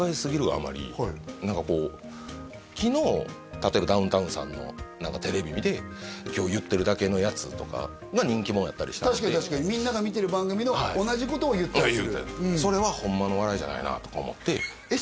あまり何かこう昨日例えばダウンタウンさんの何かテレビ見て今日言ってるだけのやつとかが人気者やったりしたので確かにみんなが見てる番組の同じことを言ったりそれはホンマの笑いじゃないなとか思ってえっ